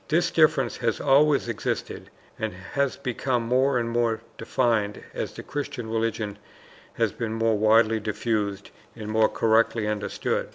This difference has always existed and has become more and more defined as the Christian religion has been more widely diffused and more correctly understood.